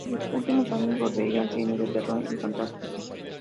En sus últimos años volvería al cine de terror y fantástico.